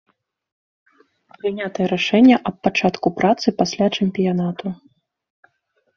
Прынятае рашэнне аб пачатку працы пасля чэмпіянату.